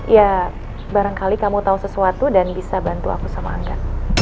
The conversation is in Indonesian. ya barangkali kamu tahu sesuatu dan bisa bantu aku sama angga